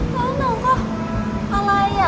แต่เราก็อะไรอ่ะ